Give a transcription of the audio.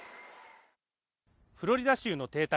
フロリダ州の邸宅